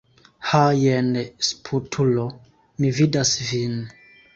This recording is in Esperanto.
Ha jen sputulo, mi vidas vin.